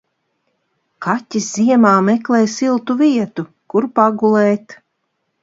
Kaķis ziemā meklē siltu vietu, kur pagulēt.